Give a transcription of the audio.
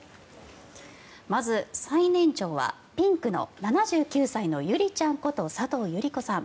まず、最年長はピンクの７９歳のゆりちゃんこと佐藤百合子さん。